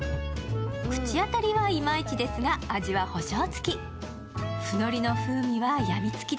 口当たりはいまいちですが味は保証つき。